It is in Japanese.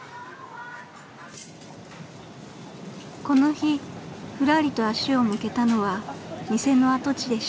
［この日ふらりと足を向けたのは店の跡地でした］